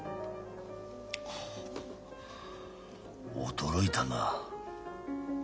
驚いたな。